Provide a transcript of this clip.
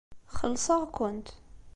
Xellṣeɣ-kent.